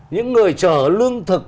những người chở lương thực